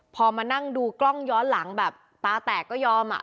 พอมานั่งดูกล้องย้อนหลังแบบตาแตกก็ยอมอ่ะ